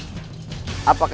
apa maksud anda prabu